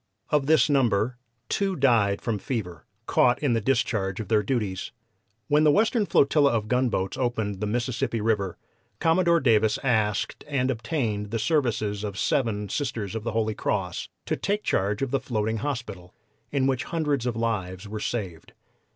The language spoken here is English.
"Of this number, two died from fever, caught in the discharge of their duties. When the Western flotilla of gunboats opened the Mississippi River Commodore Davis asked and obtained the services of seven Sisters of the Holy Cross to take charge of the floating hospital, in which hundreds of lives were saved.